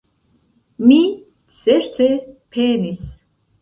Mi, certe, penis.